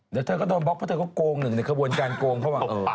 เดี๋ยวเธอก็โดนบล็อกเพราะเธอก็โกงหนึ่งในกระบวนการโกงเข้ามา